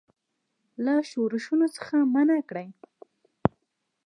له ښورښونو څخه منع کړي.